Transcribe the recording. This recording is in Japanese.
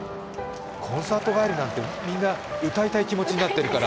コンサート帰りなんてみんな歌いたい気持ちになっているから。